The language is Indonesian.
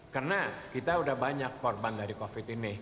karena kita sudah banyak korban dari covid sembilan belas